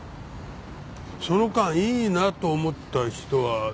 その間いいなと思った人は誰か。